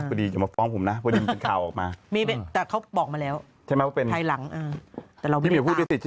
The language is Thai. พอดีอย่ามาฟ้องของผมนะ